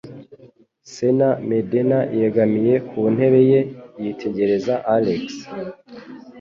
Señor Medena yegamiye ku ntebe ye, yitegereza Alex.